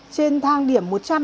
trên thang điểm một trăm linh